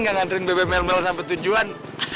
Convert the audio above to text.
gak nganterin bebe mel mel sampai tujuan